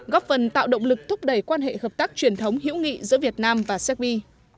góp phần tạo động lực thúc đẩy quan hệ hợp tác truyền thống hữu nghị giữa việt nam và séc bi